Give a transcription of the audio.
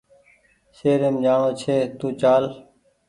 شهريم جاڻو ڇي تو چال